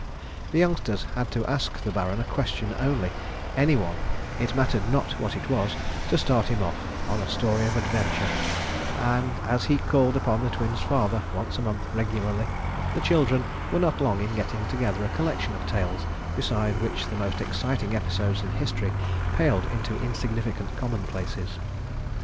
The youngsters had to ask the Baron a question only, any one, it mattered not what it was to start him off on a story of adventure, and as he called upon the Twins' father once a month regularly, the children were not long in getting together a collection of tales beside which the most exciting episodes in history paled into insignificant commonplaces.